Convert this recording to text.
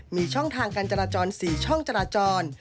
มีช่องทางการจราจร๔ช่องจราจร